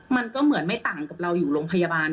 มันก็เหมือนไม่ต่างกับเราอยู่โรงพยาบาล